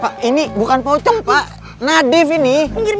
pak ini bukan pocong pak nadif ini